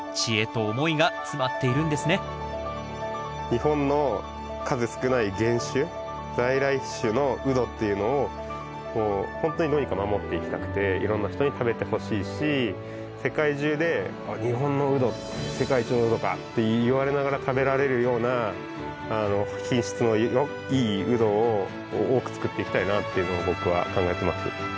日本の数少ない原種在来種のウドっていうのをもうほんとにどうにか守っていきたくていろんな人に食べてほしいし世界中で「あっ日本のウド世界一のウドか！」って言われながら食べられるような品質のいいウドを多く作っていきたいなっていうのを僕は考えてます。